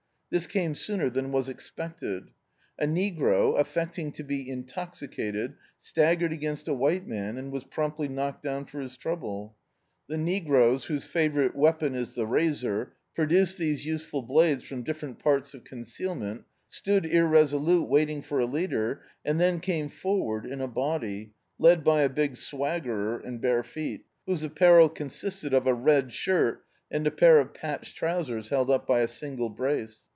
This came sooner than was expected. A negro> affecting to be intoxicated, stag gered against a white man, and was pnnnptly knocked down for his trouble. The negroes, whose favourite weapon is the razor, produced these useful blades frwn different parts of concealment, stood irresolute, waiting for a leader, and then came for ward in a body, led by a big swaggerer in bare feet, whose apparel consisted of a red shirt and a pair of patched trousers held up by a single brace.